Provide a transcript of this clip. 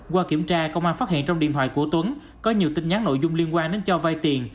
qua kiểm tra công an phát hiện trong điện thoại của tuấn có nhiều tin nhắn nội dung liên quan đến cho vai tiền